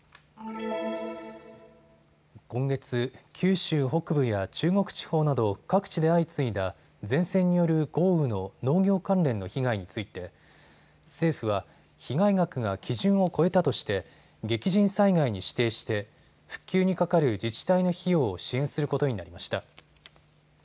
今月、九州北部や中国地方など各地で相次いだ前線による豪雨の農業関連の被害について政府は被害額が基準を超えたとして激甚災害に指定して復旧にかかる自治体の費用を支援することになりました。